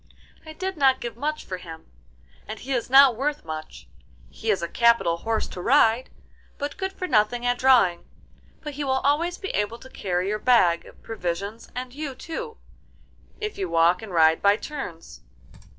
'I did not give much for him, and he is not worth much; he is a capital horse to ride, but good for nothing at drawing; but he will always be able to carry your bag of provisions and you too, if you walk and ride by turns.